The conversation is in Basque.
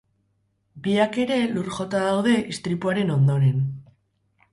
Biak ere lur jota daude istripuaren ondoren.